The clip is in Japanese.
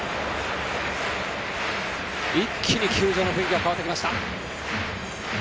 一気に球場の雰囲気が変わってきました。